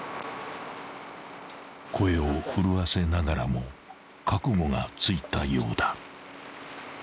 ［声を震わせながらも覚悟がついたようだ］